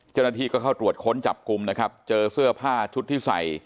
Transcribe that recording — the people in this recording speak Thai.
เจ้าหน้าที่ก็เข้าตรวจค้นจับกลุ่มนะครับเจอเสื้อผ้าชุดที่ใส่